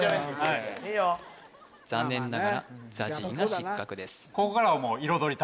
いいよ残念ながらＺＡＺＹは失格です